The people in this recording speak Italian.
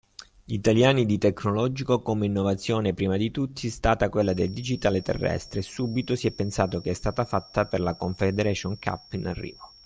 Gli italiani di tecnologico come innovazione prima di tutti stata quella del digitale terrestre e subito si è pensato che è stata fatta per la Confederation Cup in arrivo